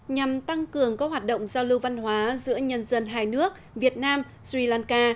nhằm tăng cường các hoạt động giao lưu văn hóa giữa nhân dân hai nước việt nam sri lanka